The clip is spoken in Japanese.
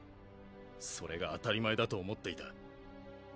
それが当たり前だと思っていた。